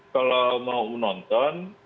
kalau mau nonton